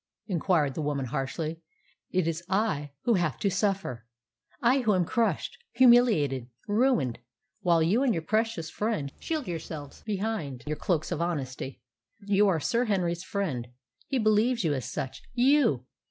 inquired the woman harshly. "It is I who have to suffer, I who am crushed, humiliated, ruined, while you and your precious friend shield yourselves behind your cloaks of honesty. You are Sir Henry's friend. He believes you as such you!"